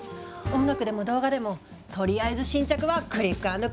音楽でも動画でもとりあえず新着はクリックアンドクリックよ。